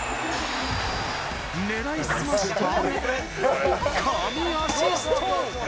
狙いすました、神アシスト！